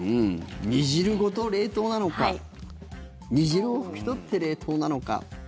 煮汁ごと冷凍なのか煮汁を拭き取って冷凍なのか。